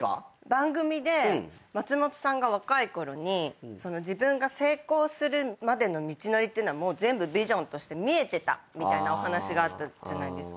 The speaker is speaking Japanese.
番組で松本さんが若いころに自分が成功するまでの道のりは全部ビジョンとして見えてたみたいなお話があったじゃないですか。